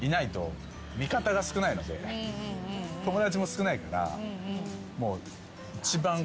友達も少ないから。